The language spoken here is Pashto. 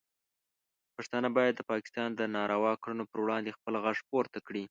پښتانه باید د پاکستان د ناروا کړنو پر وړاندې خپل غږ پورته کړي.